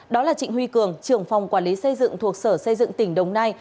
đó là trịnh huy cường trưởng phòng quản lý xây dựng thuộc sở xây dựng tỉnh đồng nai